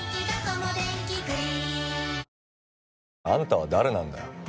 あんたは誰なんだよ？